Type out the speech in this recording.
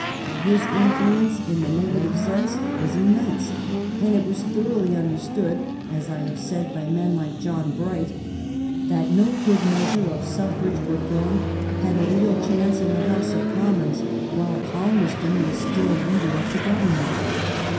His influence in the negative sense was immense, and it was thoroughly understood, as I have said, by men like John Bright, that no good measure of suffrage reform had a real chance in the House of Commons while Palmerston was still leader of the Government.